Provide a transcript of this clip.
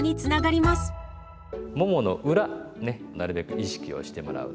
ももの裏ねなるべく意識をしてもらうと。